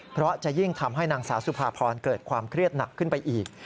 เพราะจะยิ่งทำให้นางสาวสุภาพรเกิดความเครียดหนักขึ้นไปอีก